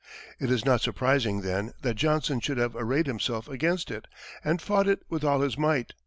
It is not surprising, then, that Johnson should have arrayed himself against it, and fought it with all his might.